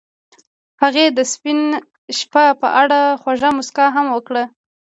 هغې د سپین شپه په اړه خوږه موسکا هم وکړه.